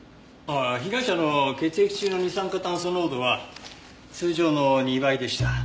ああ被害者の血液中の二酸化炭素濃度は通常の２倍でした。